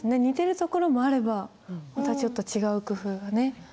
似てるところもあればまたちょっと違う工夫がね。